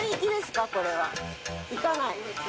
行かない？